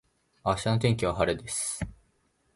明日の天気は晴れです。